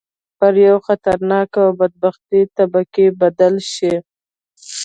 پر یوې خطرناکې او بدبختې طبقې بدل شي.